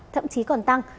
thậm chí còn tăng